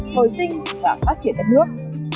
hồi sinh và phát triển đất nước